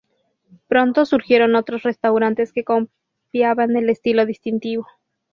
Pronto surgieron otros restaurantes que copiaban el estilo distintivo.